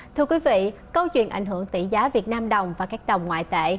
thưa quý vị câu chuyện ảnh hưởng tỷ giá việt nam đồng và các đồng ngoại tệ